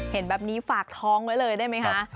เห็นแบบนี้ฝากท้องไว้เลยได้ไหมคะ